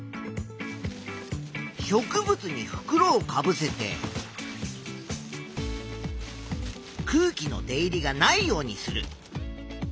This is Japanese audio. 植物にふくろをかぶせて空気の出入りがないようにする。